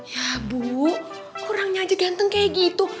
ya bu kurangnya aja ganteng kayak gitu